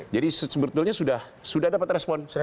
jadi sebetulnya sudah dapat respon